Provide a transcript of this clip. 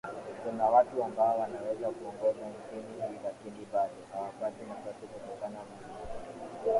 kuna watu ambao wanaweza kuongoza nchi hii lakini bado hawapati nafasi kutokana na